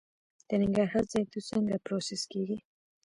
د ننګرهار زیتون څنګه پروسس کیږي؟